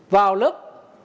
vào lớp sáu